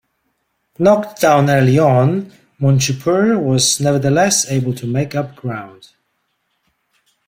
Knocked down early on, Monshipour was nevertheless able to make up ground.